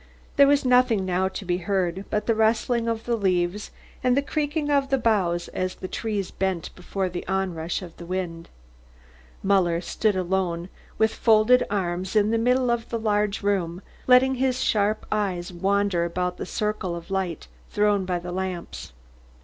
There was nothing now to be heard but the rustling of the leaves and the creaking of the boughs as the trees bent before the onrush of the wind. Muller stood alone, with folded arms, in the middle of the large room, letting his sharp eyes wander about the circle of light thrown by the lamps.